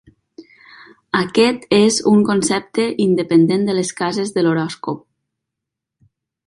Aquest és un concepte independent de les cases de l"horòscop.